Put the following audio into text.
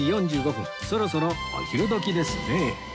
そろそろお昼時ですね